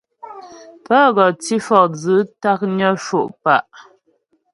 Pə́ gɔ tǐ fɔkdzʉ̌ taknyə sho' pǎ'.